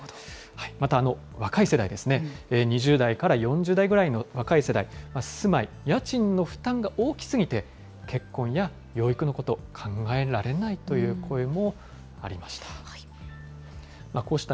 また若い世代ですね、２０代から４０代ぐらいの若い世代、住まい、家賃の負担が大きすぎて、結婚や養育のこと、考えられないという声もありました。